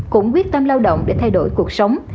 cũng quyết tâm lao động để thay đổi cuộc sống